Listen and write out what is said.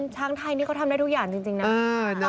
ช้างไทยนี่เขาทำได้ทุกอย่างจริงนะ